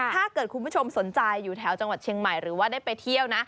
ถ้าเกิดคุณผู้ชมสนใจอยู่แถวจังหวัดเชียงใหม่หรือว่าได้ไปเที่ยวนะ